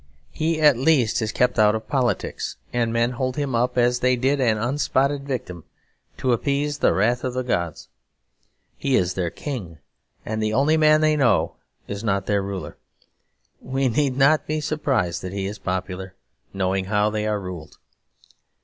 He at least is kept out of politics; and men hold him up as they did an unspotted victim to appease the wrath of the gods. He is their King, and the only man they know is not their ruler. We need not be surprised that he is popular, knowing how they are ruled.